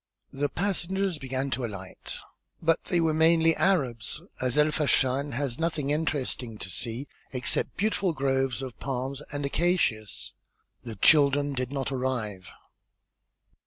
The passengers began to alight, but they were mainly Arabs, as El Fachn has nothing interesting to see except beautiful groves of palms and acacias. The children did not arrive.